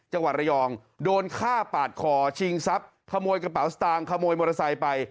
จังหวัดระยองโดนฆ่าปาดคอชิงทรัพย์ขโมยกระเป๋าสตางค์ขโมยมอเตอร์ไซค์ไป